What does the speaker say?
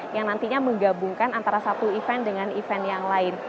yang nantinya menggabungkan antara satu event dengan event yang lain